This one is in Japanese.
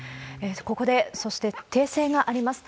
ここで、そして訂正があります。